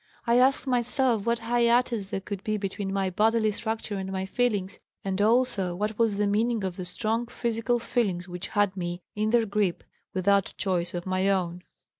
I asked myself what hiatus there could be between my bodily structure and my feelings, and also what was the meaning of the strong physical feelings which had me in their grip without choice of my own.